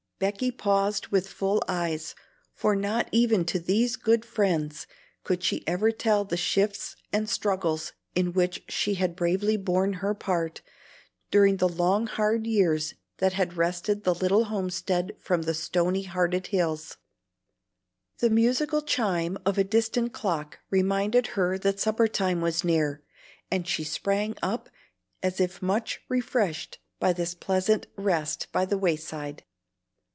Becky paused with full eyes, for not even to these good friends could she ever tell the shifts and struggles in which she had bravely borne her part during the long hard years that had wrested the little homestead from the stony hearted hills. The musical chime of a distant clock reminded her that supper time was near, and she sprang up as if much refreshed by this pleasant rest by the way side.